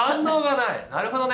なるほどね。